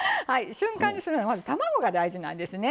瞬間にするにはまず卵が大事なんですね。